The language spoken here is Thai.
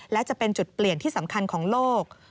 และจะเป็นจุดเปลี่ยนที่สำคัญของโลก